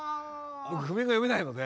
僕譜面が読めないので。